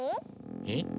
えっ？